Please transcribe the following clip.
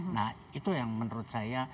nah itu yang menurut saya